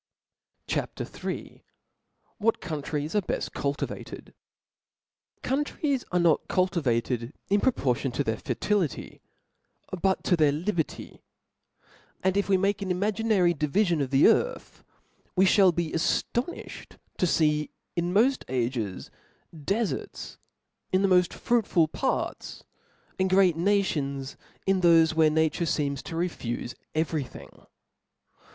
CHAP. III. What Countries are befi cultivated. /Countries are not cultivated in pro ^^ portion to their fertility, but to their li berty ; and if we make an imaginary divifion ef the earth, we fliall be aftonifhed to fee in tnoft ages, deferts in the moft fruitful parts, and great nations in thofe, where nature feems to refufe every thing.